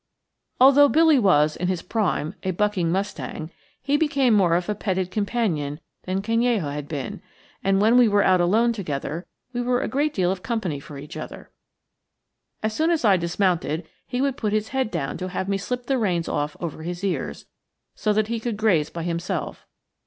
Although Billy was, in his prime, a bucking mustang, he became more of a petted companion than Canello had been; and when we were out alone together, we were a great deal of company for each other. As soon as I dismounted he would put his head down to have me slip the reins off over his ears, so that he could graze by himself.